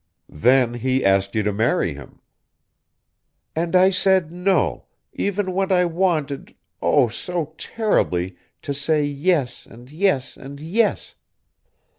"Then he asked you to marry him." "And I said no, even when I wanted, oh, so terribly, to say yes and yes and yes."